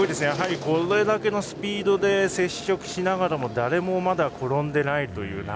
やはり、これだけのスピードで接触しながらも誰もまだ転んでないという。